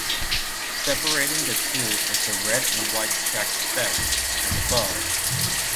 Separating the two is the red and white checked fess, as above.